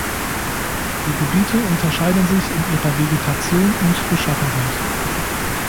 Die Gebiete unterscheiden sich in ihrer Vegetation und Beschaffenheit.